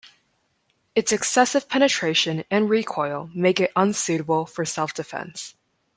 Its excessive penetration and recoil make it unsuitable for self-defense.